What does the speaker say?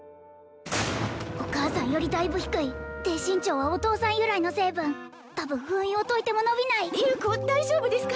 お母さんよりだいぶ低い低身長はお父さん由来の成分たぶん封印を解いても伸びない優子大丈夫ですか？